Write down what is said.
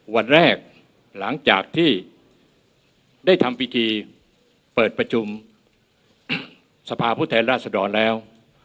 วันแรกหลังจากที่ได้ทำพิธีเปิดประชุมสภาผู้แทนราชดรแล้ว